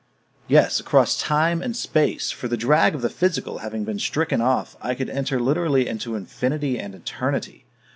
Yes, across time and space! for the drag of the physical having been stricken off, I could enter literally into infinity and eternity.